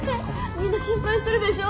みんな心配してるでしょ？